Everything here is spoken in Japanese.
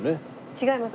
違います。